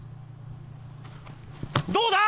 どうだ？